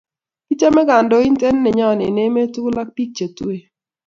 Kichame kandointen neyon en emet tukul ab pik che tuen